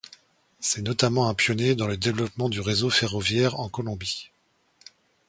C'est notamment un pionnier dans le développement du réseau ferroviaire en Colombie.